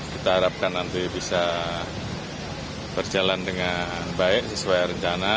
kita harapkan nanti bisa berjalan dengan baik sesuai rencana